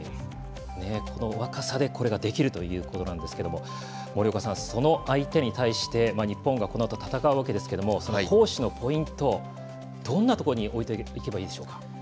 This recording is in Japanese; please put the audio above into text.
この若さでこれができるということなんですけどその相手に対して日本がこのあと戦うわけですが攻守のポイントどんなところに置いていけばいいでしょうか？